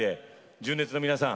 純烈の皆さん。